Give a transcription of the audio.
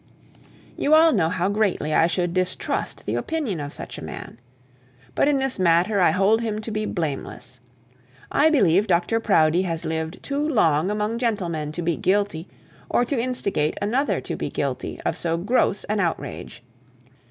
You all know how greatly I should distrust the opinion of such a man. But in this matter I hold him to be blameless. I believe Dr Proudie has lived too long among gentlemen to be guilty, or to instigate another to be guilty, of so gross an outrage.